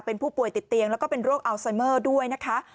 เป็นผู้ป่วยติดเตียงแล้วก็เป็นโรคอัลไซเมอร์ด้วยนะคะ